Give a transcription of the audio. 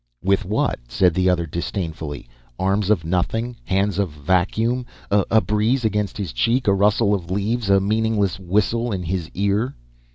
"With what?" said the other disdainfully. "Arms of nothing? Hands of vacuum? A breeze against his cheek? A rustle of leaves? A meaningless whistle in his ear?"